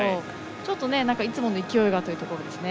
ちょっといつもの勢いがというところです。